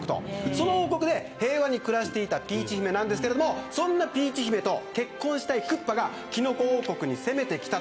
その王国で平和に暮らしていたピーチ姫ですがそんなピーチ姫と結婚したいクッパがキノコ王国に攻めてきた。